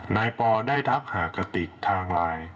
ปอได้ทักหากติกทางไลน์